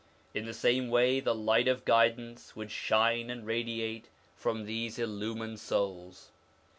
In the same way the light of guidance would shine and radiate from these illumined souls.